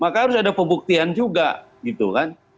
maka harus ada pembuktian juga gitu kan